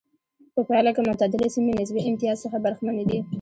په پایله کې معتدله سیمې نسبي امتیاز څخه برخمنې دي.